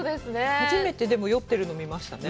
初めて酔っているのを見ましたね。